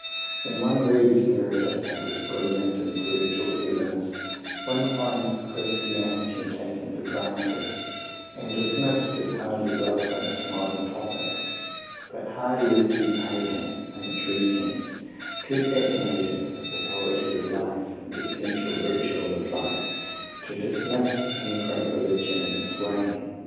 When one reads Meredith, with his brilliant intellectual cleverness, one finds Christianity "taken for granted," and dismissed as hardly relevant to modern topics. But Mr. Hardy is too pagan, in the true sense, too fascinated by the poetry of life and the essential ritual of life, to dismiss any great religion in this way.